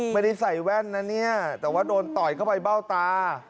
ไม่ได้ใส่แว่นนะเนี่ยแต่ว่าโดนต่อยเข้าไปเบ้าตา